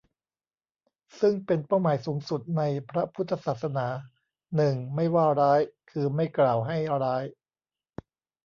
ซึ่งเป็นเป้าหมายสูงสุดในพระพุทธศาสนา หนึ่ง ไม่ว่าร้าย คือ ไม่กล่าวให้ร้าย